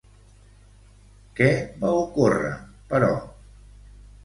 Què va ocórrer, però?